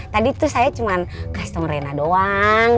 tadi tuh saya cuman kasih tau rena doang